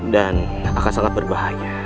dan akan sangat berbahaya